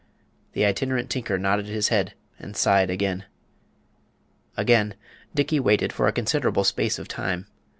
The Itinerant Tinker nodded his head and sighed again. Again Dickey waited for a considerable space of time.